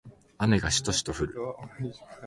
雨がしとしと降る